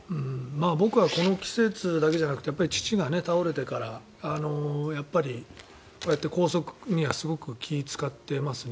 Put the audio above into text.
僕はこの季節だけじゃなくて父が倒れてからやっぱりこうやって梗塞にはすごく気を使ってますね。